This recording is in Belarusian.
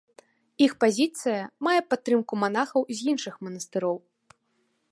Іх пазіцыя мае падтрымку манахаў з іншых манастыроў.